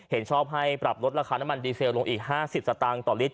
เห็นชอบให้ปรับลดราคาน้ำมันดีเซลลงอีก๕๐สตางค์ต่อลิตร